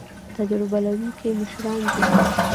تجربه لرونکي مشران دي